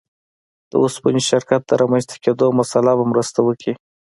د اوسپنې شرکت د رامنځته کېدو مسأله به مرسته وکړي.